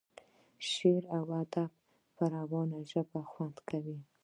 شعر او ادب په روانه ژبه خوند کوي.